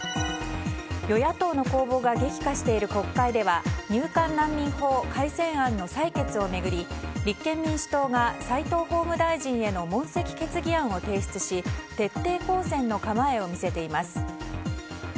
与野党の攻防が激化している国会では入管難民法改正案の採決を巡り立憲民主党が齋藤法務大臣への問責決議案を提出し徹底抗戦の構えを見せています。